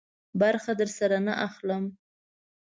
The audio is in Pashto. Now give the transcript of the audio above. برخه درسره نه اخلم.